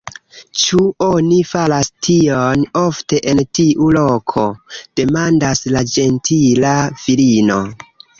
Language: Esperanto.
“Ĉu oni faras tion ofte en tiu loko?” demandas la ĝentila virino.